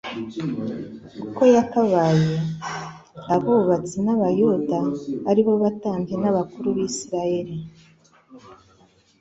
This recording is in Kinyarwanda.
uko yakabaye. Abubatsi b’abayuda, aribo batambyi n’abakuru b’Isiraheli,